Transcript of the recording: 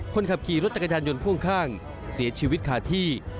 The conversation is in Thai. คนขับขี่รถจักรยานยนต์พ่วงข้างเสียชีวิตขาดที่